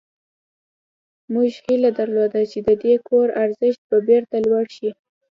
موږ هیله درلوده چې د دې کور ارزښت به بیرته لوړ شي